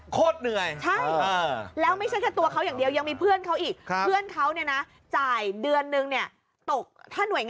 โคตรเหนื่อยเออ